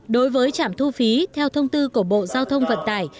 đối với trạm thu phí theo thông tư của bộ giao thông vận tải